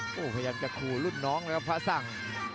พยายามจะคู่รุ่นน้องแล้วครับภาษัง